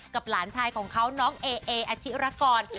หลานชายของเขาน้องเอออธิรกร